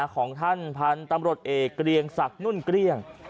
ของท่านพันธุ์ตำรวจเอกเกรียงศักดิ์นุ่นเกลี้ยง